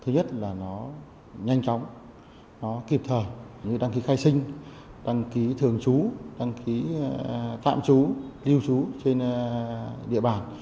nhanh chóng kịp thời như đăng ký khai sinh đăng ký thường trú đăng ký tạm trú lưu trú trên địa bàn